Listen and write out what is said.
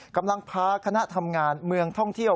กำลังพาคณะทำงานเมืองท่องเที่ยว